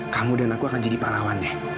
kamu dan aku akan jadi pahlawannya